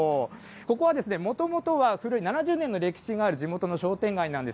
ここは、もともとは古い、７０年の歴史がある地元の商店街なんで